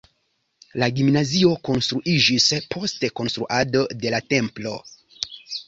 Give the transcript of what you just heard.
La gimnazio konstruiĝis post konstruado de la templo.